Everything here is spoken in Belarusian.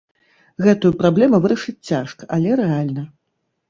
Гэтую праблему вырашыць цяжка, але рэальна.